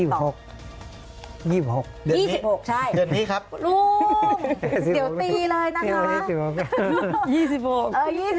เดี๋ยวนี้ครับลุงเดี๋ยวตีเลยนะคะ